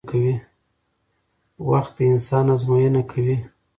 وخت د انسان ازموینه کوي